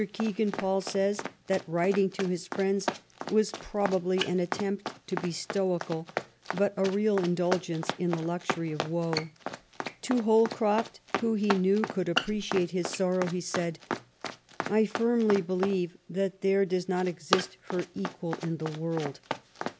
Kcgan Paul says that writing to his friends ^' was probably an attempt to be stoical, but a real indulgence in the luxury of woe.'' To Holcroft, who, he knew, could appreciate his sorrow, he said, I firmly believe that there does not exist her equal in the world.